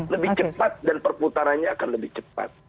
lebih cepat dan perputarannya akan lebih cepat